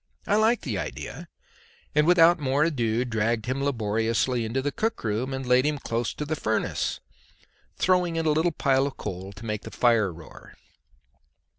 I liked the idea, and without more ado dragged him laboriously into the cook room and laid him close to the furnace, throwing in a little pile of coal to make the fire roar.